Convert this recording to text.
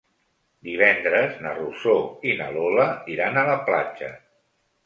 Divendres na Rosó i na Lola iran a la platja.